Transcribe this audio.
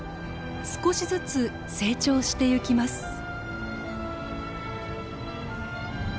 少しずつ成長してゆきます。